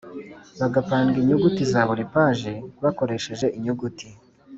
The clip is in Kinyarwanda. bagapanga inyuguti za buri paji bakoresheje inyuguti